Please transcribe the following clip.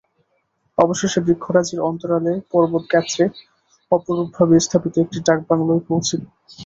অবশেষে বৃক্ষরাজির অন্তরালে পর্বতগাত্রে অপরূপভাবে স্থাপিত একটি ডাকবাংলায় পৌঁছিলাম।